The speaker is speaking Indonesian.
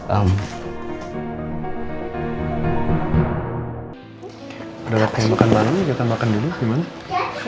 ada waktunya makan malam nih kita makan dulu gimana